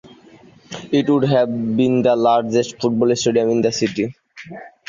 It would have been the largest football stadium in the city.